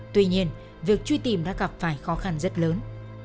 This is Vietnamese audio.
tuy nhiên việc truy tìm đã gặp phải khó khăn rất lớn